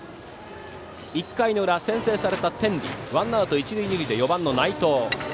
１回裏、先制された天理ワンアウト一塁二塁で４番の内藤。